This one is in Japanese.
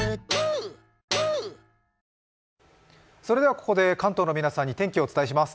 ここで関東の皆さんに天気をお伝えします。